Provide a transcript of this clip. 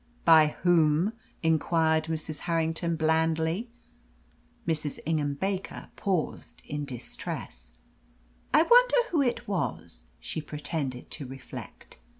"By whom?" inquired Mrs. Harrington blandly. Mrs. Ingham Baker paused in distress. "I wonder who it was," she pretended to reflect.